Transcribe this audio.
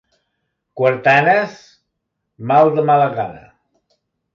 Quartanes, mal de mala gana.